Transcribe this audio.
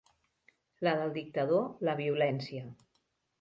La del dictador la violència.